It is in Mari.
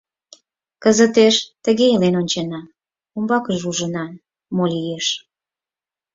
Кызытеш тыге илен ончена, умбакыже ужына, мо лиеш.